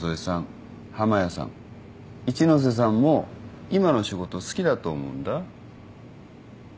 一ノ瀬さんも今の仕事好きだと思うんだ。